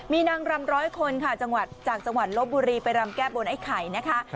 มีนางรำร้อยคนค่ะจังหวัดจากจังหวัดลบบุรีไปรำแก้บนไอ้ไข่นะคะ